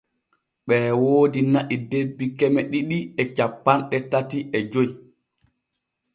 Ɓee woodi na’i debbi keme ɗiɗi e cappanɗe tati e joy.